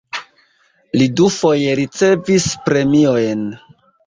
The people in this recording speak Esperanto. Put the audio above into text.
Li dufoje ricevis premiojn.